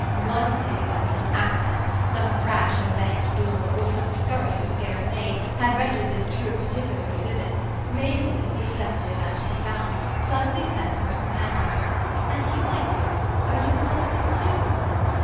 One day when some accident, some crash of a banged door or some scurry of a scared maid, had rendered this truth particularly vivid, Maisie, receptive and profound, suddenly said to her companion: "And you, my dear, are you in love with him too?"